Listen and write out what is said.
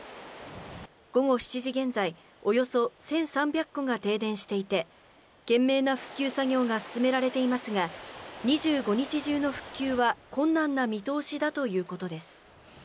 午後７時現在、およそ１３００戸が停電していて、懸命な復旧作業が進められていますが、２５日中の復旧は困難な見通しだということです。